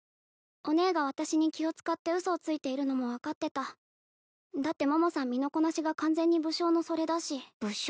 お姉が私に気を使って嘘をついているのも分かってただって桃さん身のこなしが完全に武将のそれだし武将？